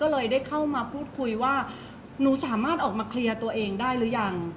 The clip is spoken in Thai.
เพราะว่าสิ่งเหล่านี้มันเป็นสิ่งที่ไม่มีพยาน